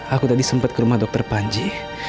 aku tadi sempat ke rumah dr panji